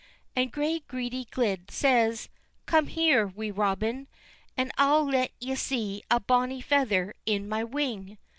And gray greedy gled says: "Come here, Wee Robin, and I'll let ye see a bonny feather in my wing."